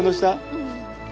うん。